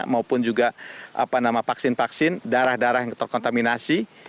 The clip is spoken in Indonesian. maupun juga vaksin vaksin darah darah yang terkontaminasi